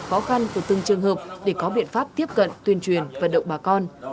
khó khăn của từng trường hợp để có biện pháp tiếp cận tuyên truyền vận động bà con